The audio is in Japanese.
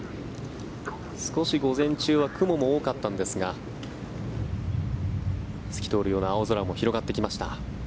少し午前中は雲も多かったんですが透き通るような青空も広がってきました。